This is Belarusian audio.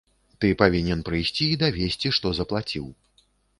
І ты павінен прыйсці і давесці, што заплаціў.